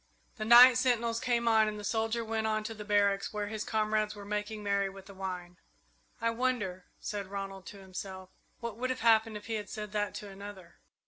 The night sentinels came on and the soldier went on to the barracks, where his comrades were making merry with the wine. "I wonder," said Ronald to himself, "what would have happened if he had said that to to another?"